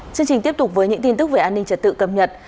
chương trình tiếp tục với những tin tức về an ninh trật tự cập nhật